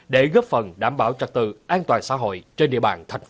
để góp phần đảm bảo trật tự an toàn xã hội trên địa bàn tp hcm